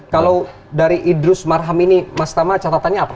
kalau dari idrus marham ini mas tama catatannya apa